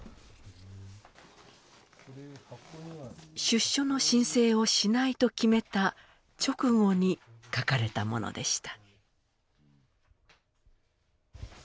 出所の申請をしないと決めた直後に書かれたものでした。